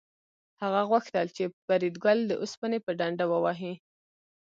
هغه غوښتل چې فریدګل د اوسپنې په ډنډه ووهي